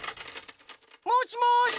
もしもし！